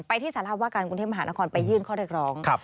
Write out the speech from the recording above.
ไปที่สาระว่าการกรุงเทพมหานครไปยื่นข้อเรียกรองครับ